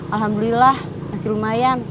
alhamdulillah masih lumayan